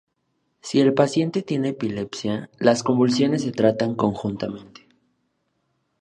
Si el paciente tiene epilepsia, las convulsiones se tratarán conjuntamente.